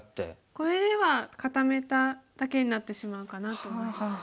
これでは固めただけになってしまうかなと思います。